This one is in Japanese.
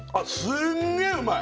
すんげえうまい！